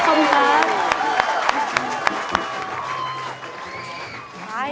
ขอบคุณครับ